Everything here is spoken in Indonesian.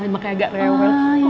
makanya agak rewel